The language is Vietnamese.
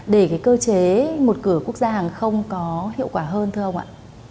để cái cơ chế một cửa quốc gia hàng không có hiệu quả hơn thưa ông ạ